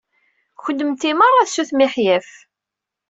Kunemti meṛṛa d sut miḥyaf.